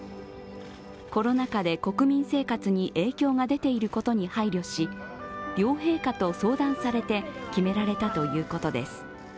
コロナ禍で国民生活に影響が出ていることに配慮し両陛下と相談されて決められたということです。